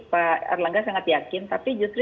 pak erlangga sangat yakin tapi justru